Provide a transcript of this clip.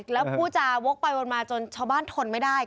แล้วผู้จาวกไปวนมาจนชาวบ้านทนไม่ได้